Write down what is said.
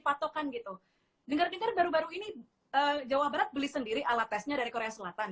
patokan gitu denger denger baru baru ini jawa barat beli sendiri alat tesnya dari korea selatan